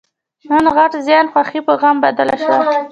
نن غټ زیان؛ خوښي په غم بدله شوه.